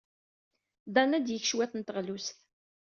Dan ad d-yeg cwiṭ n teɣlust.